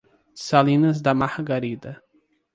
Salinas da Margarida